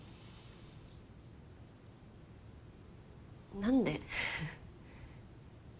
何で？